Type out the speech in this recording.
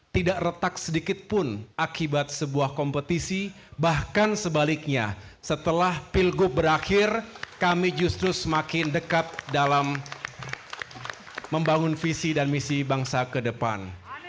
tidak retak sedikitpun akibat sebuah kompetisi bahkan sebaliknya setelah pilgub berakhir kami justru semakin dekat dalam membangun visi dan misi bangsa ke depan